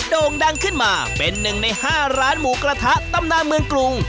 โด่งดังขึ้นมาเป็นหนึ่งใน๕ร้านหมูกระทะตำนานเมืองกรุง